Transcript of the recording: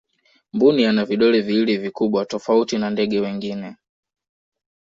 mbuni ana vidole viwili vikubwa tofauti na ndege wengine